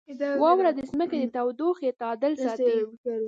• واوره د ځمکې د تودوخې تعادل ساتي.